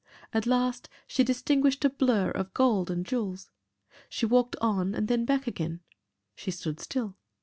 At last she distinguished a blur of gold and jewels. She walked on and then back again. She stood still.